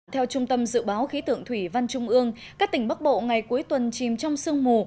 theo trung tâm dự báo khí tượng thủy văn trung ương các tỉnh bắc bộ ngày cuối tuần chìm trong sương mù